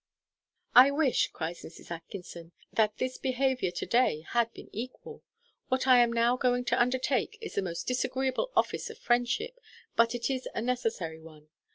"I wish," cries Mrs. Atkinson, "that this behaviour to day had been equal. What I am now going to undertake is the most disagreeable office of friendship, but it is a necessary one.